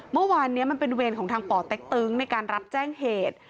เมื่อวานนี้มันเป็นเวรของทางป่อเต็กตึงในการรับแจ้งเหตุ